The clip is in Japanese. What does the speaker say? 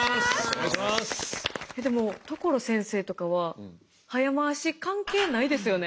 えっでも所先生とかは早回し関係ないですよね？